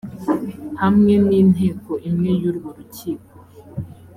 hamwe n inteko imwe y urwo rukiko